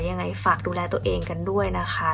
ยังไงฝากดูแลตัวเองกันด้วยนะคะ